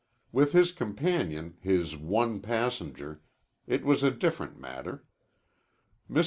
With his companion his one passenger it was a different matter. Mr.